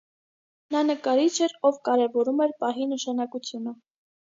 Նա նկարիչ էր, ով կարևորում էր պահի նշանակությունը։